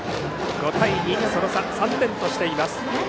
５対２、その差３点としています。